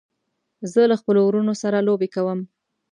زه له خپلو وروڼو سره لوبې کوم.